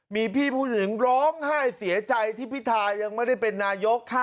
มีพี่ผู้หญิงร้องไห้เสียใจที่พิทายังไม่ได้เป็นนายก